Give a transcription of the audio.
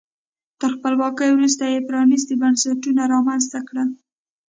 تر خپلواکۍ وروسته یې پرانیستي بنسټونه رامنځته کړل.